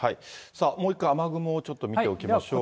さあ、もう一回、雨雲をちょっと見ておきましょう。